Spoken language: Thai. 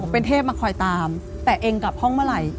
เป็นเทพมาคอยตามแต่เองกลับห้องเมื่อไหร่